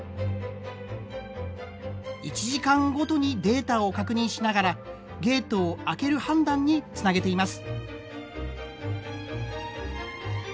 １時間ごとにデータを確認しながらゲートを開ける判断につなげています。